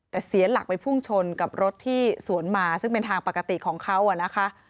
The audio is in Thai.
แต่เสียหลักไปพุ่งชนกับรถที่สวนมาซึ่งเป็นทางปกติของเขานะคะ